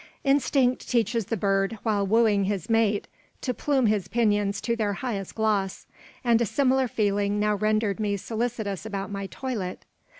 Instinct teaches the bird while wooing his mate to plume his pinions to their highest gloss; and a similar feeling now rendered me solicitous about my toilet.